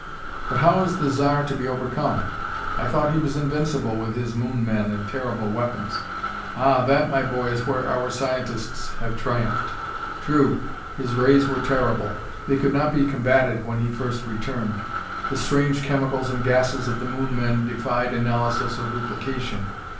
But how is the Zar to be overcome? I thought he was invincible, with his Moon men and terrible weapons." "Ah! That, my boy, is where our scientists have triumphed. True, his rays were terrible. They could not be combatted when he first returned. The strange chemicals and gases of the Moon men defied analysis or duplication.